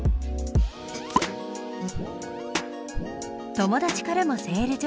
友達からもセール情報。